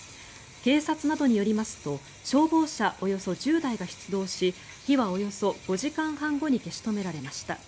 警察などによりますと消防車およそ１０台が出動し火はおよそ５時間半後に消し止められました。